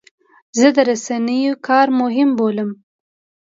زه د رسنیو کار مهم بولم.